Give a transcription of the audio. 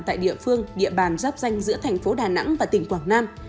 tại địa phương địa bàn giáp danh giữa thành phố đà nẵng và tỉnh quảng nam